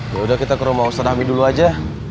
yaudah kita ke rumah ustadz amir dulu aja